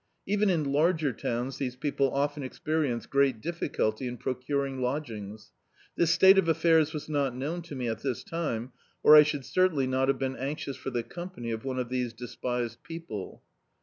Even in larger towns these people often experience great difficulty in procuring lodg* ings. Tiiis state of affairs was not known to me at this time, or I should certainly not have been anxious for the company of one of these despised pct^le.